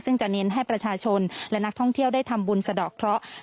ซึ่งจะเน้นให้ประชาชนและนักท่องเที่ยวได้ทำบุญสะดอกเคราะห์